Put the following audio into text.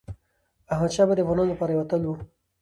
احمدشاه بابا د افغانانو لپاره یو اتل و.